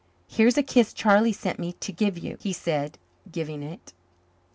"Here's a kiss Charlie sent me to give you," he said, giving it.